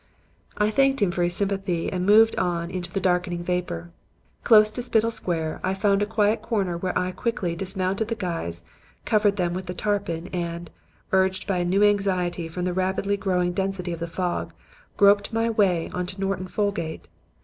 "I thanked him for his sympathy and moved on into the darkening vapor. Close to Spital Square I found a quiet corner where I quickly dismounted the guys, covered them with the tarpaulin and, urged by a new anxiety from the rapidly growing density of the fog, groped my way into Norton Folgate.